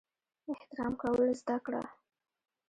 احترام کول زده کړه!